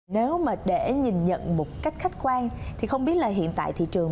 nếu mà để nhìn nhận một cách khách quan thì không biết là hiện tại thị trường